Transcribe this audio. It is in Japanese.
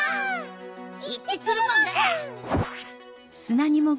いってくるモグ！